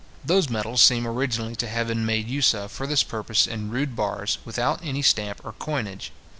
Those metals seem originally to have been made use of for this purpose in rude bars, without any stamp or coinage.